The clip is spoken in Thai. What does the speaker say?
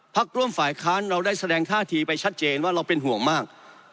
ร่วมฝ่ายค้านเราได้แสดงท่าทีไปชัดเจนว่าเราเป็นห่วงมาก